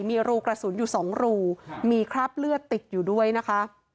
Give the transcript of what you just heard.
มีรูกระสุนอยู่สองรูมีคราบเลือดติดอยู่ด้วยนะคะ